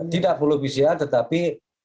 tidak perlu pcr tetapi